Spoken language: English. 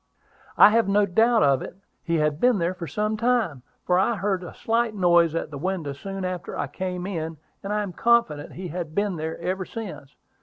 "I have no doubt of it: he had been there for some time, for I heard a slight noise at that window soon after I came in; and I am confident he had been there ever since.